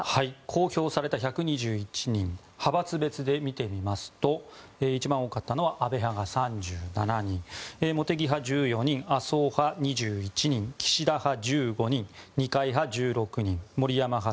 公表された１２１人派閥別で見てみますと一番多かったのは安倍派が３７人茂木派１４人麻生派２１人岸田派１５人二階派１６人森山派